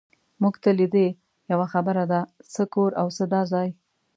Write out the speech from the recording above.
مونږ ته لیدې، یوه خبره ده، څه کور او څه دا ځای.